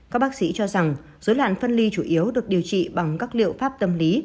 các bác sĩ cho rằng dối loạn phân ly chủ yếu được điều trị bằng các liệu pháp tâm lý